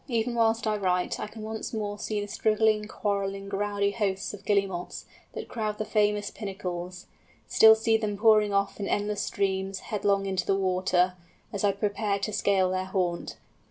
Even whilst I write, I can once more see the struggling, quarrelling, rowdy hosts of Guillemots that crowd the famous "Pinnacles"; still see them pouring off in endless streams, headlong into the water, as I prepared to scale their haunt.